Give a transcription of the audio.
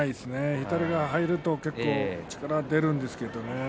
左が入ると力が出るんですけどね。